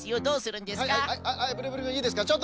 どうするんですか？